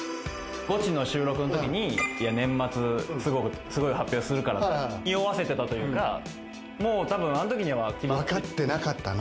ゴチの収録のときに、年末、すごい発表するから。におわせてたというか、もうたぶ分かってなかったの。